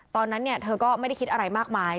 ตอนนั้นเธอก็ไม่ได้คิดอะไรมากมาย